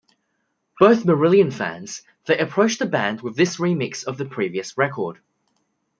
Both Marillion fans, they approached the band with this remix of the previous record.